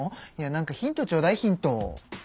なんかヒントちょうだいヒント。